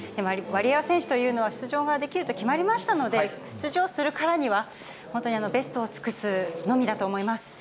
ワリエワ選手というのは出場ができると決まりましたので、出場するからには、本当にベストを尽くすのみだと思います。